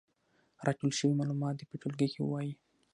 راټول شوي معلومات دې په ټولګي کې ووايي.